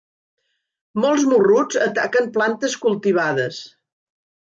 Molts morruts ataquen plantes cultivades.